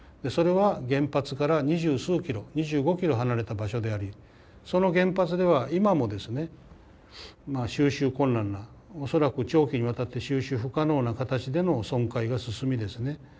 それは原発から二十数キロ２５キロ離れた場所でありその原発では今もですね収拾困難な恐らく長期にわたって収拾不可能な形での損壊が進みですね